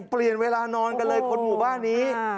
เปลี่ยนเวลานอนกันเลยคนหมู่บ้านนี้